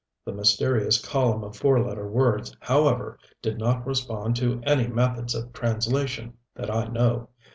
The mysterious column of four letter words, however, did not respond to any methods of translation that I knew.